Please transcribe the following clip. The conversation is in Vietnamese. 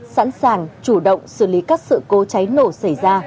sẵn sàng chủ động xử lý các sự cố cháy nổ xảy ra